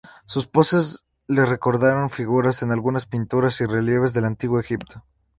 Sus poses le recordaron figuras en algunas pinturas y relieves del antiguo Egipto.